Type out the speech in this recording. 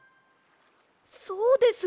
そうです。